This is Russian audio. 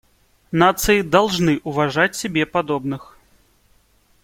Нации должны уважать себе подобных.